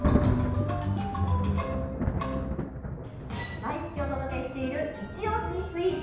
毎月お届けしている「いちおしスイーツ」。